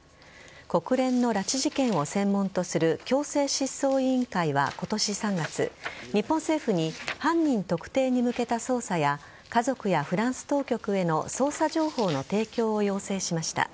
国連の拉致事件を専門とする強制失踪委員会は今年３月日本政府に犯人特定に向けた捜査や家族やフランス当局への捜査情報の提供を要請しました。